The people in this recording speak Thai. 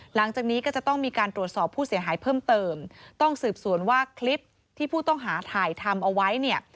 หลังจากนี้ก็จะต้องมีการตรวจสอบผู้เสียหายเพิ่มเติมต้องสืบสวนว่าคลิปที่ผู้ต้องหาถ่ายทำเอาไว้เนี่ย